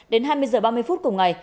đến hai mươi h ba mươi cùng ngày